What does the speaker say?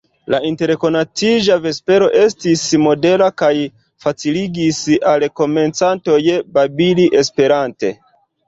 La interkonatiĝa vespero estis modela, kaj faciligis al komencantoj babili Esperante.